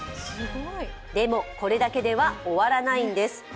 でも、これだけでは終わらないんです。